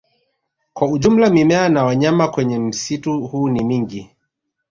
Kwa ujumla mimea na wanyama kwenye msitu huu ni mingi